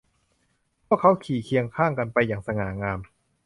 พวกเขาขี่เคียงข้างกันไปอย่างสง่างาม